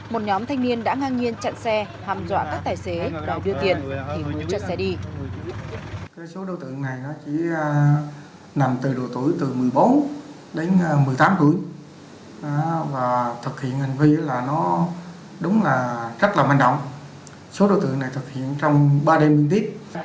một nhóm thanh niên đã ngang nhiên chặn xe hàm dọa các tài xế đòi đưa tiền thì mới chặn xe đi